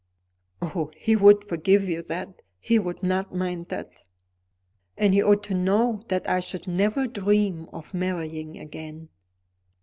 "Oh, he would forgive you that; he would not mind that." "And he ought to know that I should never dream of marrying again."